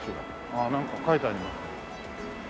ああなんか書いてありますね。